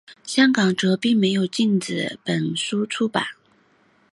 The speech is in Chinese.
香港则并没有禁止本书出版。